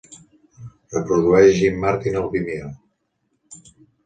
Reprodueix Jim Martin al Vimeo.